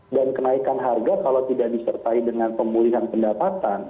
dan kenaikan harga kalau tidak disertai dengan pemulihan pendapatan